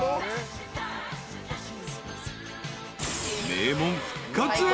［名門復活へ。